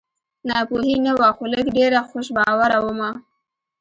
ناپوهي نه وه خو لږ ډېره خوش باوره ومه